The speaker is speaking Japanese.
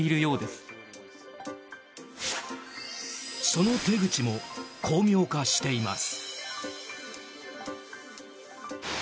その手口も巧妙化しています。